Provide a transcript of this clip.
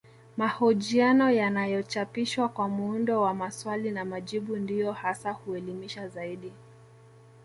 Mahojiano yanayochapishwa kwa muundo wa maswali na majibu ndiyo hasa huelimisha zaidi